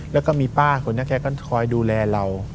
แล้วก็มีป้าคนนี้แกก็คอยดูแลเรา